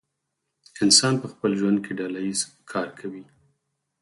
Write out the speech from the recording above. انسان په خپل ژوند کې ډله ایز کار کوي.